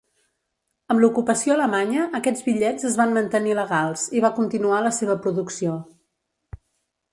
Amb l'ocupació alemanya, aquests bitllets es van mantenir legals i va continuar la seva producció.